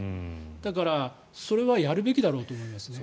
だから、それはやるべきだと思いますね。